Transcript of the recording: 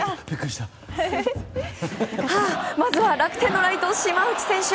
まずは楽天のライト、島内選手。